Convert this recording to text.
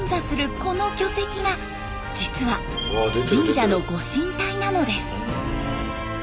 この巨石が実は神社の御神体なのです。